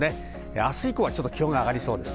明日以降は気温が上がりそうです。